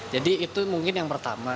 jadi itu mungkin yang pertama